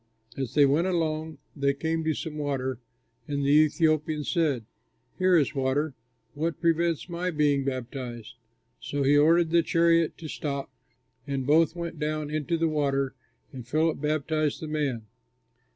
As they went along, they came to some water, and the Ethiopian said, "Here is water. What prevents my being baptized?" So he ordered the chariot to stop, and both went down into the water, and Philip baptized the man.